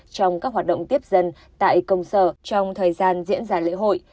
trong các hoạt động tiếp dân tại công sở trong thời gian diễn ra lễ hội